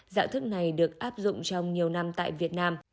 dạng thức này được áp dụng trong nhiều năm tại việt nam